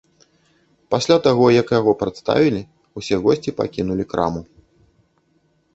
Пасля таго, як яго прадставілі, усе госці пакінулі краму.